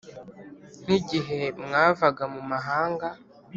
Nk`igihe mwavaga mu mahanga